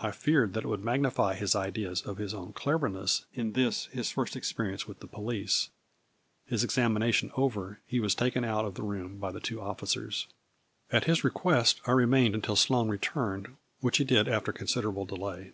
I feared that it would magnify his ideas of his own cleverness in this his first experience with the police. His exam ination over, he was taken out of the room by the two officers. At his request, I remained until Sloane re turned, which he did after considerable delay.